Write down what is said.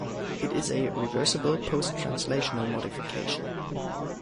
It is a reversible post-translational modification.